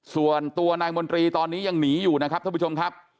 ส่วนตัวนายมนตรีตอนนี้ยังหนีอยู่นะครับท่านผู้ชมครับ